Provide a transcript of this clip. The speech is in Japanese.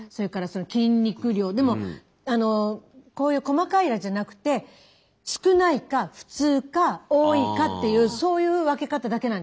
でもこういう細かいあれじゃなくて少ないか普通か多いかっていうそういう分け方だけなんですよ出るのが。